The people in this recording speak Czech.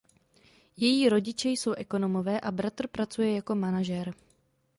Její rodiče jsou ekonomové a bratr pracuje jako manažer.